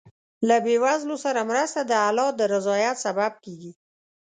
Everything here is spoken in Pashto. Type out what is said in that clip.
له بېوزلو سره مرسته د الله د رضا سبب کېږي.